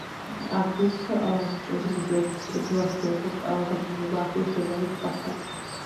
ამ დროს მწერი მოძრაობას იწყებს და ბავშვებთან ერთად გაფრინდება ახლოს მდებარე ტბასთან.